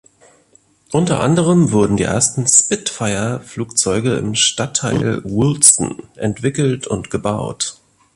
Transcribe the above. Unter anderem wurden die ersten Spitfire-Flugzeuge im Stadtteil "Woolston" entwickelt und gebaut.